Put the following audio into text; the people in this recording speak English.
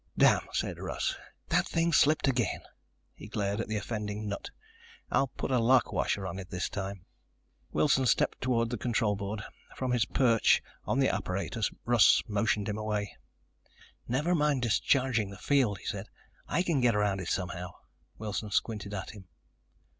"Damn," said Russ, "that thing's slipped again." He glared at the offending nut. "I'll put a lock washer on it this time." Wilson stepped toward the control board. From his perch on the apparatus, Russ motioned him away. "Never mind discharging the field," he said. "I can get around it somehow." Wilson squinted at him.